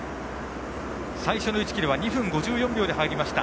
最初の１ｋｍは２分５４秒で入りました。